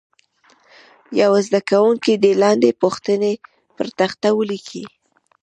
یو زده کوونکی دې لاندې پوښتنې پر تخته ولیکي.